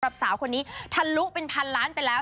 สาวคนนี้ทะลุเป็นพันล้านไปแล้ว